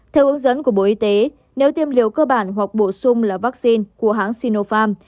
theo hướng dẫn của bộ y tế nếu tiêm liều cơ bản hoặc bổ sung là vaccine của hãng sinopharm